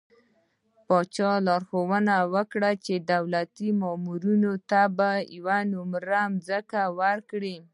پاچا لارښوونه وکړه چې د دولتي مامورينو ته به يوه نمره ځمکه ورکړي .